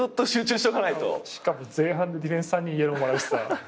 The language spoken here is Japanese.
しかも前半でディフェンス３人イエローもらうしさ。